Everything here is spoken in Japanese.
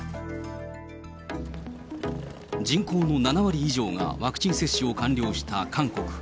人口の７割以上がワクチン接種を完了した韓国。